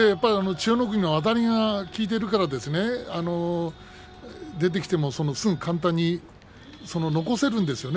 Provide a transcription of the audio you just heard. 千代の国のあたりが効いているから出てきてもすぐ簡単に残せるんですよね。